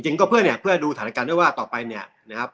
ก็เพื่อเนี่ยเพื่อดูสถานการณ์ด้วยว่าต่อไปเนี่ยนะครับ